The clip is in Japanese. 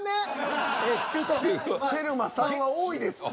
テルマ３は多いですって。